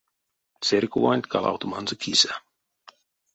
Церькованть калавтоманзо кисэ.